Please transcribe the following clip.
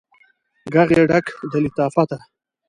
ږغ یې ډک د لطافته